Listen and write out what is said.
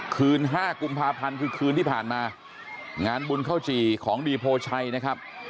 คืน๕กุมภาพันธ์คือคืนที่ผ่านมางานบุญข้าวจี่ของดีโพชัยนะครับ